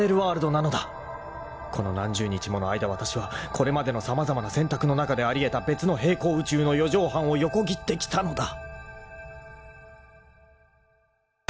［この何十日もの間わたしはこれまでの様々な選択の中であり得た別の平行宇宙の四畳半を横切ってきたのだ］